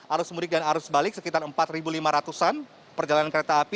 arus mudik dan arus balik sekitar empat lima ratus an